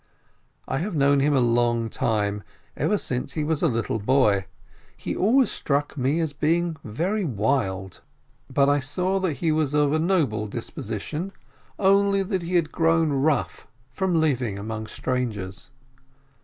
I have known him a long time, ever since he was a little boy. He always struck me as being very wild, 36 JEHALEL but I saw that he was of a noble disposition, only that he had grown rough from living among strangers.